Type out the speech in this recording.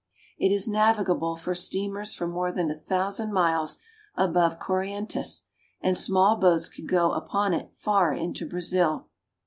It is navigable for steamers for more than a thousand miles above Corrientes, and small boats can go upon it far into Brazil.